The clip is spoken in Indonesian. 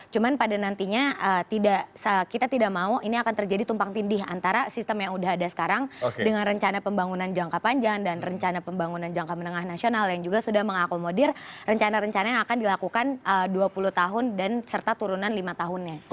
cuman pada nantinya kita tidak mau ini akan terjadi tumpang tindih antara sistem yang sudah ada sekarang dengan rencana pembangunan jangka panjang dan rencana pembangunan jangka menengah nasional yang juga sudah mengakomodir rencana rencana yang akan dilakukan dua puluh tahun dan serta turunan lima tahunnya